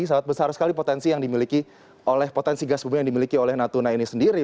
sangat besar sekali potensi yang dimiliki oleh potensi gas bumi yang dimiliki oleh natuna ini sendiri